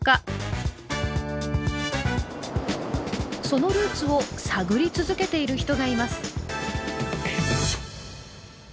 そのルーツを探り続けている人がいます。